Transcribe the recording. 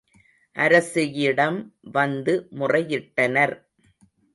அரசியிடம் வந்து முறையிட்டனர்.